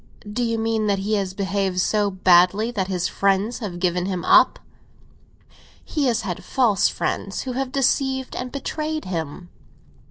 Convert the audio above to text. "Do you mean that he has behaved so badly that his friends have given him up?" "He has had false friends, who have deceived and betrayed him."